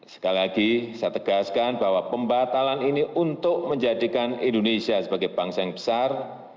sekali lagi saya tegaskan bahwa pembatalan ini untuk menjadikan indonesia sebagai bangsa yang besar